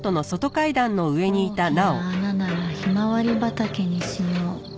大きな穴ならひまわり畑にしよう。